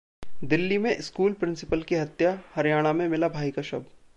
दिल्ली में school principal की हत्या, हरियाणा में मिला भाई का शव